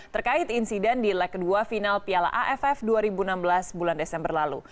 terkait insiden di leg kedua final piala aff dua ribu enam belas bulan desember lalu